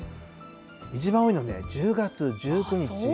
一番多いの、１０月１９日。